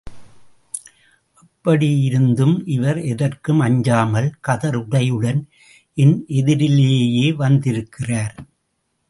அப்படியிருந்தும், இவர் எதற்கும் அஞ்சாமல் கதர் உடையுடன் என் எதிரிலேயே வந்திருக்கிறார்.